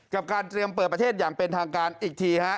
กับการเตรียมเปิดประเทศอย่างเป็นทางการอีกทีฮะ